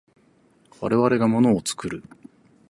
我々が物を作る。